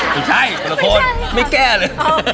ไม่ใช่บริโฆษณ์ไม่แก้เลย